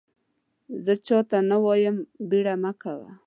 زه چا ته نه وایم بیړه کوه !